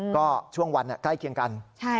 ก็ช่วงวันใกล้เคียงกัน